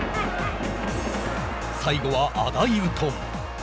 最後はアダイウトン。